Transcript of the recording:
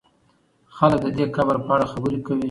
خلک د دې قبر په اړه خبرې کوي.